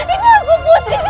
ini aku putri